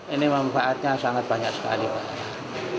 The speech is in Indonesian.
ini membaatnya sangat banyak